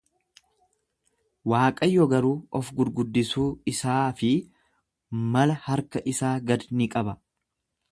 Waaqayyo garuu of-gurguddisuu isaa fi mala harka isaa gad ni qaba.